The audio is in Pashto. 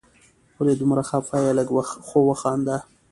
ولي دومره خفه یې ؟ لږ خو وخانده